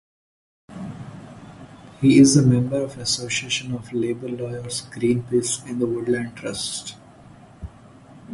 He is a Member of Association of Labour Lawyers, Greenpeace, and the Woodland Trust.